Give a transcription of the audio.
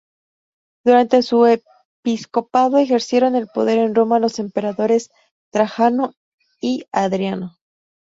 Durante su episcopado, ejercieron el poder en Roma los emperadores Trajano y Adriano.